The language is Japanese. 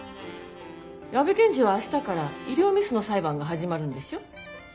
矢部検事は明日から医療ミスの裁判が始まるんでしょ？